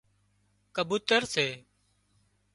ڪبوتر سي